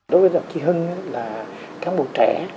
đối với đồng chí hưng là cán bộ trẻ